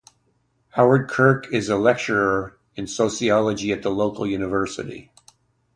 Howard Kirk is a lecturer in sociology at the local university.